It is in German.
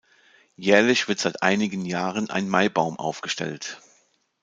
Jährlich wird seit einigen Jahren ein Maibaum aufgestellt.